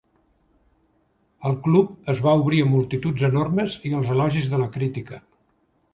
El club es va obrir a multituds enormes i als elogis de la crítica.